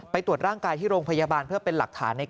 ไปตรวจร่างกายในโรงพยาบาล